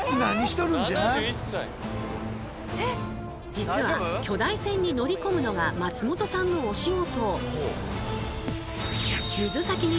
実は巨大船に乗りこむのが松本さんのお仕事。